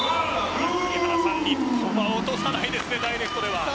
日本は落とさないですねダイレクトでは。